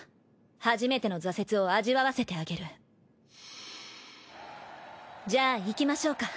初めての挫折を味わわせてあげるじゃあ行きましょうか。